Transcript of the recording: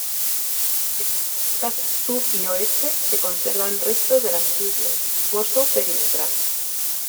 En las fachadas sur y oeste se conservan restos del antiguo foso perimetral.